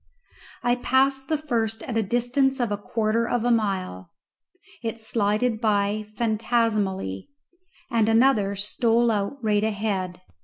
I passed the first at a distance of a quarter of a mile; it slided by phantasmally, and another stole out right ahead.